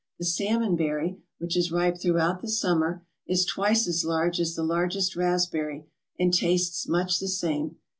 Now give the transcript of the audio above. The salmonberry, which is ripe throughout the summer, is twice as large as the largest raspberry, and tastes much the same.